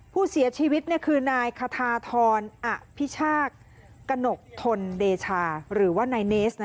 ผู้เสียชีวิตคือนายคทาทรอภิชากกระหนกทนเดชาหรือว่านายเนส